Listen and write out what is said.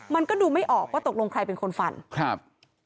มันก็ดูไม่ออกว่าตกลงใครเป็นคนฟันครับ